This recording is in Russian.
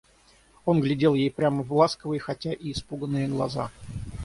Он глядел ей прямо в ласковые, хотя и испуганные глаза.